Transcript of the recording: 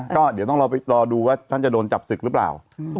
ก็เดี๋ยวต้องรอดูว่าท่านจะโดนจับศึกหรือเปล่า